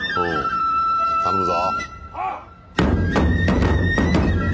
頼むぞ！